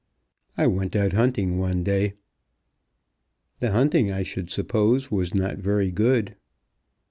I went out hunting one day." "The hunting I should suppose was not very good."